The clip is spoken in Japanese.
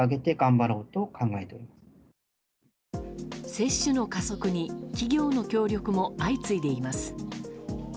接種の加速に企業の協力も相次いでいます。